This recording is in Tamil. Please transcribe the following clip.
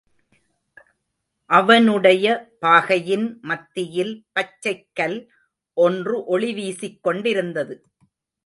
அவனுடைய பாகையின் மத்தியில் பச்சைக்கல் ஒன்று ஒளி வீசிக் கொண்டிருந்தது.